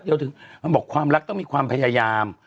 บอกว่าความรักต้องมีความพยายาม